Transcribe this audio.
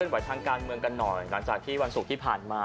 ไหวทางการเมืองกันหน่อยหลังจากที่วันศุกร์ที่ผ่านมา